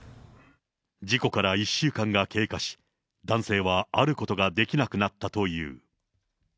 事故から１週間が経過し、男性はあることができなくなったという。